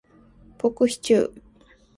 ポークシチュー